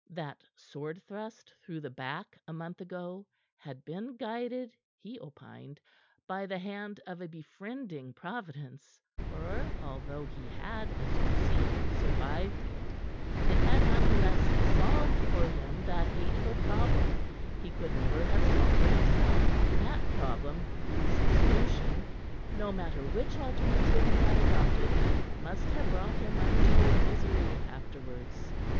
That sword thrust through the back a month ago had been guided, he opined, by the hand of a befriending Providence; for although he had, as you see, survived it, it had none the less solved for him that hateful problem he could never have solved for himself, that problem whose solution, no matter which alternative he had adopted must have brought him untold misery afterwards.